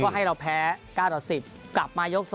ให้เราแพ้๙๑๐กลับมาอย่ก๒